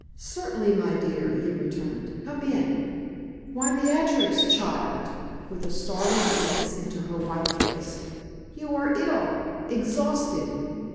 "Certainly, my dear!" he returned. "Come in. Why, Beatrix, child!" with a startled glance into her white face "you are ill, exhausted.